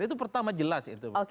itu pertama jelas itu